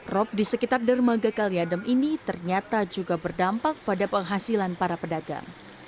rop di sekitar dermaga kaliadem ini ternyata juga berdampak pada penghasilan para pedagang